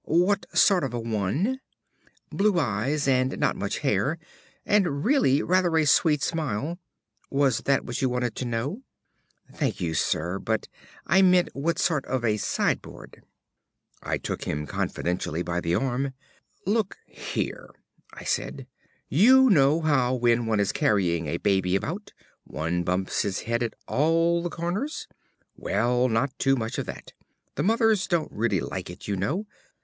"What sort of a one?" "Blue eyes and not much hair, and really rather a sweet smile.... Was that what you wanted to know?" "Thank you, Sir. But I meant, what sort of a sideboard?" I took him confidentially by the arm. "Look here," I said, "you know how, when one is carrying a baby about, one bumps its head at all the corners? Well, not too much of that. The mothers don't really like it, you know.